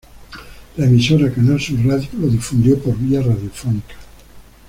La emisora Canal Sur Radio lo difundió por vía radiofónica.